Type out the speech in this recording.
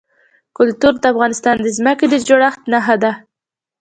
کلتور د افغانستان د ځمکې د جوړښت نښه ده.